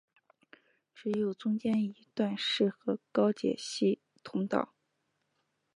只有中间一段适合高解析通道。